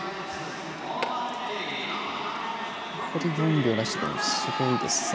ここで４秒出してくるのすごいですね。